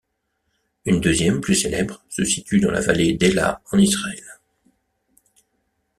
Une deuxième, plus célèbre, se situe dans la vallée d'Elah en Israël.